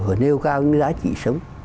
phải nêu cao những giá trị sống